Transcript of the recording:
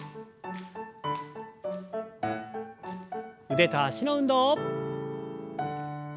腕と脚の運動。